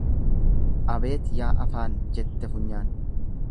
Abeet yaa afaan jette funyaan.